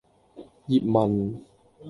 葉問